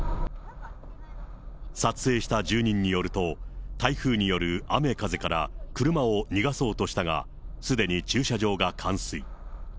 撮影した住人によると、台風による雨風から車を逃がそうとしたが、すでに駐車場が冠水。